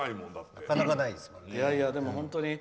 なかなかないですものね。